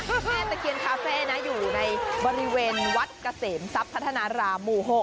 แม่ตะเคียนคาเฟ่นะอยู่ในบริเวณวัดเกษมทรัพย์พัฒนารามหมู่๖